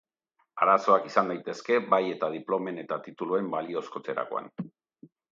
Arazoak izan daitezke bai eta diplomen eta tituluen baliozkotzerakoan.